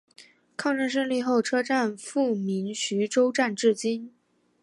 抗战胜利后车站复名徐州站至今。